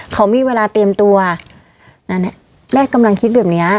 เขามีเวลาเตรียมตัวแม่กำลังคิดแบบนี้